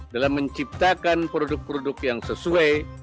dalam menciptakan produk produk yang sesuai